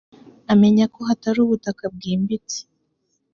amenya ko hatari ubutaka bwimbitse